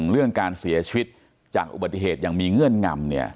เรื่องการเสียชีวิตจากอุบัติเหตุอย่างมีเงื่อนงำ